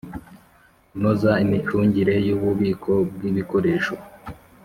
Kunoza imicungire y ububiko bw ibikoresho